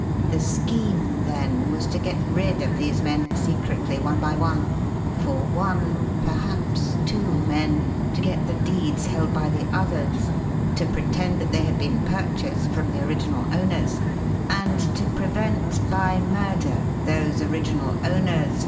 The scheme, then, was to get rid of these men, secretly, one by one; for one perhaps two men to get the deeds held by the others; to pretend that they had been purchased from the original owners, and to prevent by murder those original owners from " [Illustration: "Got you, Miss Rosie Edgburn!